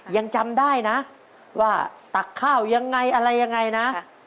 ยังจำได้นะว่าตักข้าวยังไงอะไรยังไงนะ